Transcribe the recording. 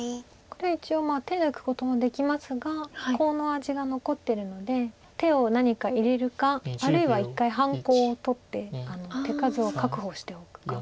これは一応手抜くこともできますがコウの味が残ってるので手を何か入れるかあるいは一回半コウを取って手数を確保しておくか。